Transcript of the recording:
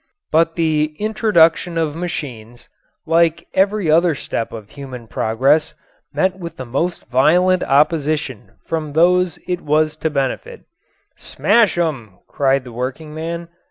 But the introduction of machines, like every other step of human progress, met with the most violent opposition from those it was to benefit. "Smash 'em!" cried the workingman.